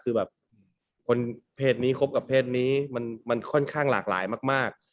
คือแบบคนเพศนี้คบกับเพศนี้มันค่อนข้างหลากหลายมาก